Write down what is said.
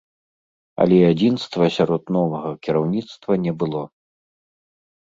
Але адзінства сярод новага кіраўніцтва не было.